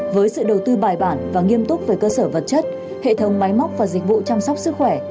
với sự đầu tư bài bản và nghiêm túc về cơ sở vật chất hệ thống máy móc và dịch vụ chăm sóc sức khỏe